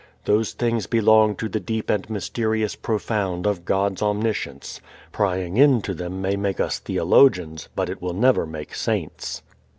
Those things belong to the deep and mysterious Profound of God's omniscience. Prying into them may make theologians, but it will never make saints.